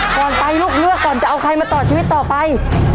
ไปลูกเลือกก่อนจะเอาใครมาต่อชีวิตต่อไป